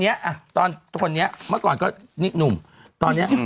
เนี่ยว่าไปสนุกว่าผ่านตู้กะตาทองอ่ะด่า